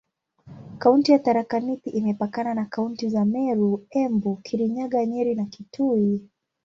Kaunti ya Tharaka Nithi imepakana na kaunti za Meru, Embu, Kirinyaga, Nyeri na Kitui.